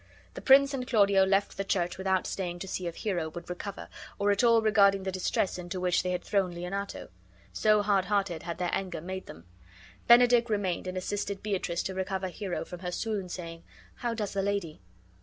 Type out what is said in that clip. The prince and Claudio left the church without staying to see if Hero would recover, or at all regarding the distress into which they had thrown Leonato. So hard hearted had their anger made them. Benedick remained and assisted Beatrice to recover Hero from her swoon, saying, "How does the lady?"